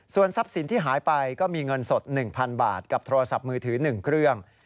ส่วนทรัพย์สินที่หายไปก็มีเงินสด๑๐๐๐บาทกับโทรศัพท์มือถือ๑เครื่อง